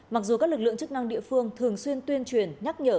mặc dù các lực lượng chức năng địa phương thường xuyên tuyên truyền nhắc nhở